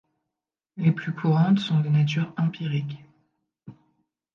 Les plus courantes sont de nature empirique.